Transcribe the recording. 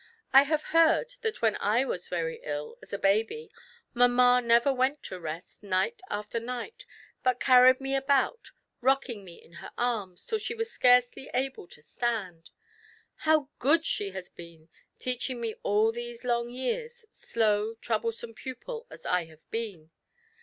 I have heard that when I was very ill, as a baby, mamma never went to rest, night after night, but carried me about, rocking me in her arms, till she was scarcely able to stand. How good she has been, teaching me all these long years, slow, troublesome pupil as I have been